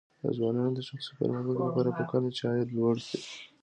د ځوانانو د شخصي پرمختګ لپاره پکار ده چې عاید لوړ کړي.